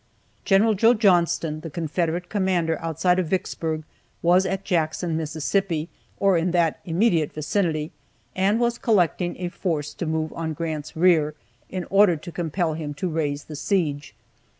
General Joe Johnston, the Confederate commander outside of Vicksburg, was at Jackson, Mississippi, or in that immediate vicinity, and was collecting a force to move on Grant's rear, in order to compel him to raise the siege.